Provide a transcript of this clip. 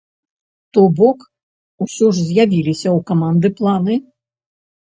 То бок, усё ж з'явіліся ў каманды планы?